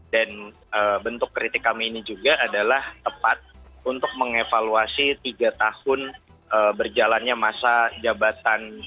dan bentuk kritik kami ini juga adalah tepat untuk mengevaluasi tiga tahun berjalannya masa jabatan